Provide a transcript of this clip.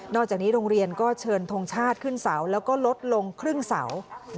อกจากนี้โรงเรียนก็เชิญทงชาติขึ้นเสาแล้วก็ลดลงครึ่งเสา